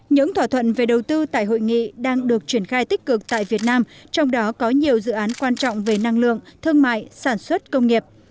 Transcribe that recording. những thỏa thuận về đầu tư tại hội nghị đang được triển khai tích cực tại việt nam trong đó có nhiều dự án quan trọng về năng lượng thương mại sản xuất công nghiệp